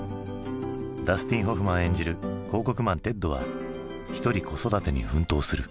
ダスティン・ホフマン演じる広告マンテッドは一人子育てに奮闘する。